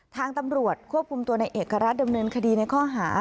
ทางตำรวจควบคุมตัวในเอกรัฐดำเนินคดีในข้อหา